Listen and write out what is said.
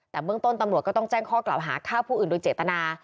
แต่เบื้องต้นตำรวจก็ต้องแจ้งข้อกล่าวหาฆ่าผู้อื่นโดยเจตนา